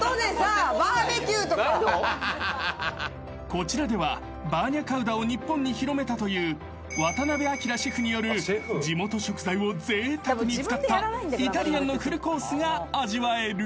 ［こちらではバーニャカウダを日本に広めたという渡邉明シェフによる地元食材をぜいたくに使ったイタリアンのフルコースが味わえる］